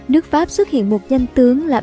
nước pháp xuất hiện một danh tướng là